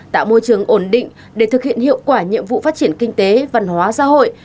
tạo môi trường ổn định để thực hiện hiệu quả nhiệm vụ phát triển kinh tế văn hóa xã hội